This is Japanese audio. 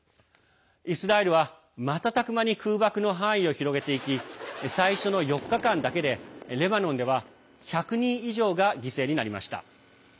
イスラエルは瞬く間に空爆の範囲を広げていき最初の４日間だけでレバノンでは１００人以上が犠牲になりました。